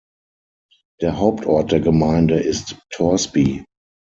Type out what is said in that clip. Der Hauptort der Gemeinde ist Torsby.